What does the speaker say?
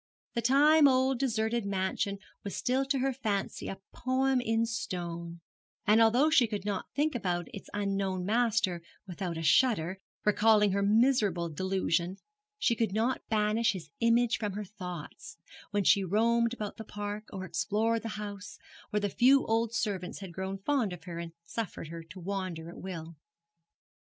The time old deserted mansion was still to her fancy a poem in stone; and although she could not think about its unknown master without a shudder, recalling her miserable delusion, she could not banish his image from her thoughts, when she roamed about the park, or explored the house, where the few old servants had grown fond of her and suffered her to wander at will.